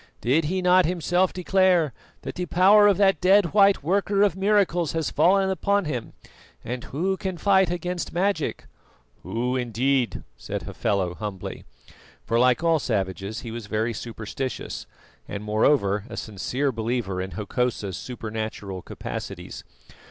Did he not himself declare that the power of that dead white worker of miracles has fallen upon him, and who can fight against magic?" "Who, indeed?" said Hafela humbly; for like all savages he was very superstitious, and, moreover, a sincere believer in Hokosa's supernatural capacities.